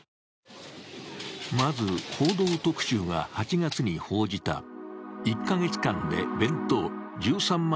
まず「報道特集」が８月に報じた１カ月間で弁当１３万